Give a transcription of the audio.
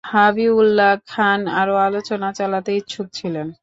হাবিবউল্লাহ খান আরো আলোচনা চালাতে ইচ্ছুক ছিলেন।